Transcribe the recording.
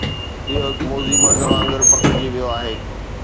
اهو هڪ موذي مرض وانگر پکڙجي ويو آهي